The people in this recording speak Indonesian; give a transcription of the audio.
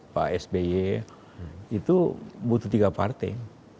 pak sby itu butuh tiga partai